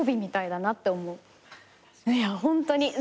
いやホントに。